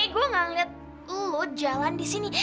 gue enggak lihat lo jalan di sini